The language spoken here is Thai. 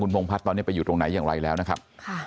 พงพัฒน์ตอนนี้ไปอยู่ตรงไหนอย่างไรแล้วนะครับ